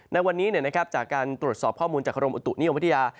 ในวันนี้จากการตรวจสอบข้อมูลจากกรมอุตุนิยมวิทยา